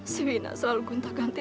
si wina selalu guntah ganti